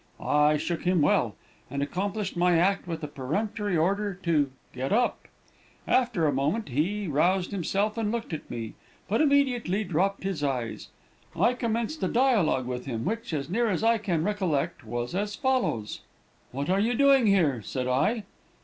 I shook him well, and accompanied my act with a peremptory order to 'get up.' After a moment he roused himself and looked at me, but immediately dropped his eyes. I commenced a dialogue with him, which, as near as I can recollect, was as follows: "'What are you doing here?' said I.